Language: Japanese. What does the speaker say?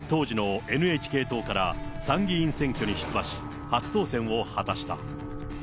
去年７月、当時のＮＨＫ党から参議院選挙に出馬し、初当選を果たした。